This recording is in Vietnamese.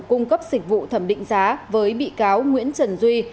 cung cấp dịch vụ thẩm định giá với bị cáo nguyễn trần duy